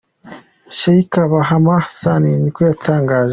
Sheikh Bahame Hassan niko yatangaje.